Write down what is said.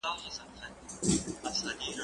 زه اوس د کتابتون پاکوالی کوم؟!